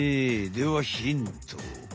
ではヒント！